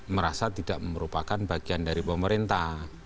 merasa tidak merupakan bagian dari pemerintah